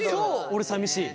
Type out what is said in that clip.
俺さみしい。